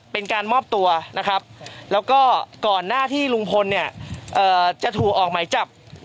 เป็นการมอบตัวแล้วก็ก่อนหน้าที่ลุงพลจะถูออกใหม่จับ